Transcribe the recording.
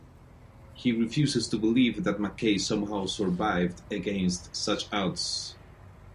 He refuses to believe that Mackaye somehow survived against such odds.